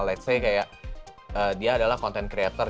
let's say kayak dia adalah content creator